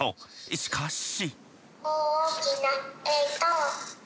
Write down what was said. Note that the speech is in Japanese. しかし。